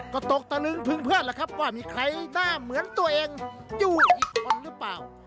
ก็ตกตะลึงพึงเพื่อนแล้วครับว่ามีใครหน้าเหมือนตัวเองอยู่อีกคนหรือเปล่า